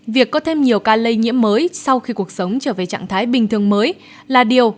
việc có thêm nhiều ca lây nhiễm mới sau khi cuộc sống trở về trạng thái bình thường mới là điều